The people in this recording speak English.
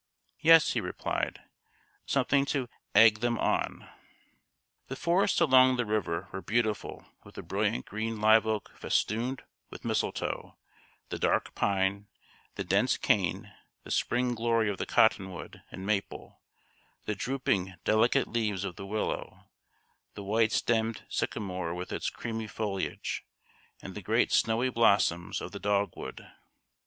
"Yes," he replied, "something to aig them on!" The forests along the river were beautiful with the brilliant green live oak festooned with mistletoe, the dark pine, the dense cane, the spring glory of the cottonwood and maple, the drooping delicate leaves of the willow, the white stemmed sycamore with its creamy foliage, and the great snowy blossoms of the dog wood.